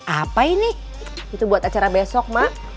apa ini itu buat acara besok mak